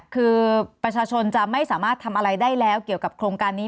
คือประชาชนจะไม่สามารถทำอะไรได้แล้วเกี่ยวกับโครงการนี้